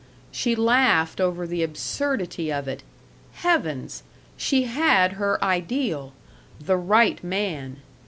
She laughed over the absurdity of it. Heavens! She had her Ideal. The Right Man.